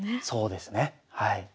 そうですねはい。